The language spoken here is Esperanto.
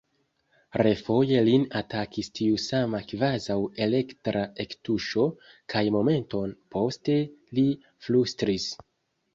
Refoje lin atakis tiu sama kvazaŭ elektra ektuŝo, kaj momenton poste li flustris: